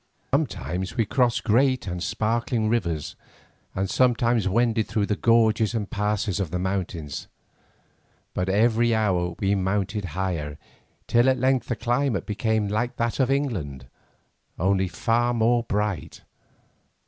Sometimes we crossed great and sparkling rivers and sometimes we wended through gorges and passes of the mountains, but every hour we mounted higher, till at length the climate became like that of England, only far more bright.